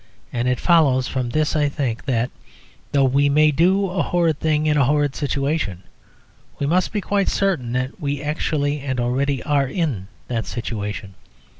And it follows from this, I think, that, though we may do a horrid thing in a horrid situation, we must be quite certain that we actually and already are in that situation.